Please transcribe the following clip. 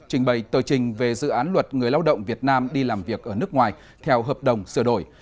trình bày tờ trình về dự án luật người lao động việt nam đi làm việc ở nước ngoài theo hợp đồng sửa đổi